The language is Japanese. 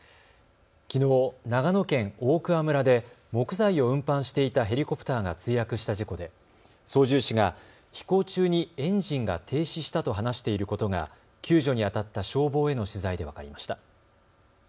きのう長野県大桑村で木材を運搬していたヘリコプターが墜落した事故で操縦士が飛行中にエンジンが停止したと話していることが救助にあたった消防への取材で分かりました。